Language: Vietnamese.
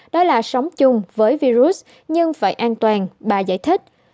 đó là sống chung với virus nhưng phải an toàn bà giải thích